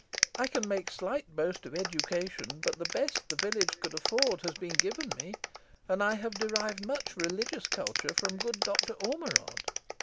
I can make slight boast of education, but the best the village could afford has been given me; and I have derived much religious culture from good Doctor Ormerod.